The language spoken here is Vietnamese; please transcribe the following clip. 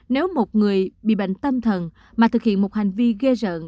nếu một người bị bệnh tâm thần mà thực hiện một hành vi ghe rợn